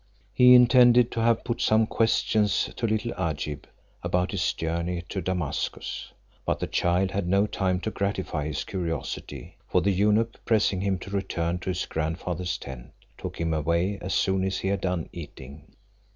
He intended to have put some questions to little Agib about his journey to Damascus; but the child had no time to gratify his curiosity, for the eunuch pressing him to return to his grandfather's tent, took him away as soon as he had done eating.